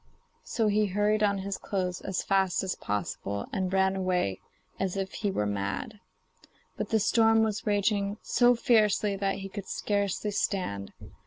So he hurried on his clothes as fast as possible, and ran away as if he were mad. But the storm was raging so fiercely that he could scarcely stand.